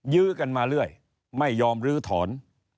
ยื้อกันมาเรื่อยไม่ยอมลื้อถอน